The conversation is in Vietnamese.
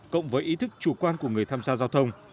cộng với ý thức chủ quan của người tham gia giao thông